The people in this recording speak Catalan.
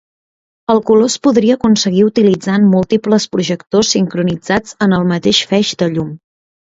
El color es podria aconseguir utilitzant múltiples projectors sincronitzats en el mateix feix de llum.